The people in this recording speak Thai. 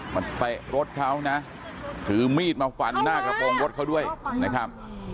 เตะรถเขานะถือมีดมาฟันหน้ากระโปรงรถเขาด้วยนะครับ